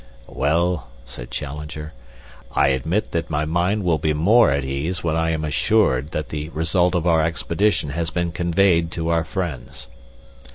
"Well," said Challenger, "I admit that my mind will be more at ease when I am assured that the result of our expedition has been conveyed to our friends.